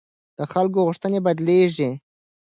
د خلکو غوښتنې بدلېږي